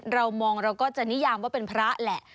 เรามองเราก็จะนิยามว่าเป็นพระแหละ